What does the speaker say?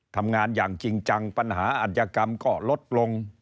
ทำงานอย่างจริงจังปัญหาอัธยกรรมก็ลดลง